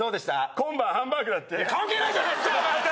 今晩ハンバーグだって関係ないじゃないですか！